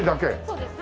そうです。